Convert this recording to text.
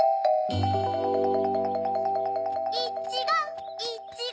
いちごいちご！